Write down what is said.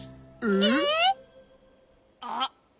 えっ？あっ。